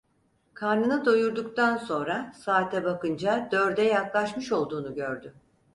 Karnını doyurduktan sonra saate bakınca dörde yaklaşmış olduğunu gördü.